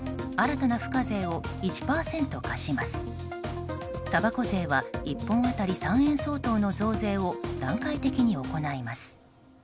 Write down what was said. たばこ税は１本当たり３円相当の増税を段階的に行います。